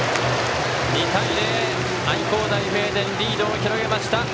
２対０愛工大名電リードを広げました。